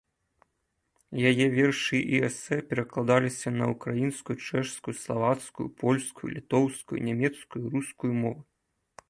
Яе вершы і эсэ перакладаліся на ўкраінскую, чэшскую, славацкую, польскую, літоўскую, нямецкую, рускую мовы.